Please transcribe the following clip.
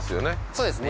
そうですね